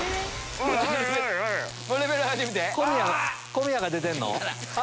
小宮が出てんの？